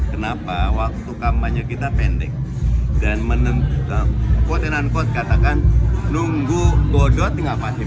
kenapa waktu kampanye kita pendek dan menentukan quote and unquote katakan nunggu bodot nggak pasti